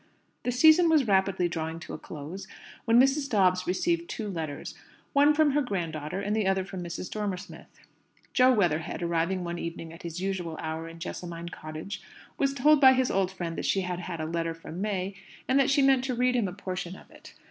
The season was rapidly drawing to a close when Mrs. Dobbs received two letters; one from her grand daughter, and the other from Mrs. Dormer Smith. Jo Weatherhead, arriving one evening at his usual hour in Jessamine Cottage, was told by his old friend that she had had a letter from May, and that she meant to read him a portion of it.